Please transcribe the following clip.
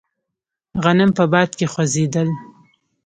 غنم په باد کې خوځېدل.